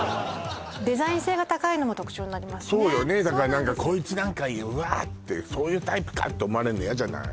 何かこいつ何かうわってそういうタイプかって思われんの嫌じゃない？